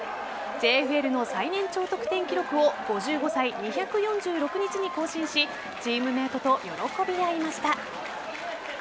ＪＦＬの最年長得点記録を５５歳２４６日に更新しチームメートと喜び合いました。